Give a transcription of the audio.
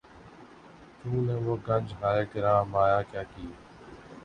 تو نے وہ گنج ہائے گراں مایہ کیا کیے